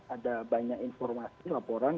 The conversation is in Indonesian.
ada banyak informasi laporan